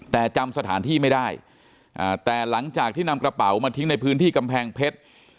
แต่จำสถานที่ไม่ได้แต่หลังจากที่นำกระเป๋ามาทิ้งในพื้นที่กำแพงเพชร